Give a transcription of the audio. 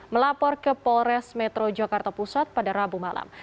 melapor ke polres metro jakarta pusat pada rabu malam